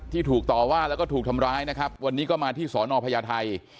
ถูกต่อว่าแล้วก็ถูกทำร้ายนะครับวันนี้ก็มาที่สอนอพญาไทย